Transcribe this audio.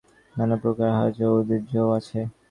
বনের অভাব নাই, এবং বনে নানাপ্রকার আহার্য উদ্ভিজ্জও আছে।